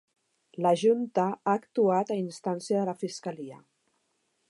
La Junta ha actuat a instància de la fiscalia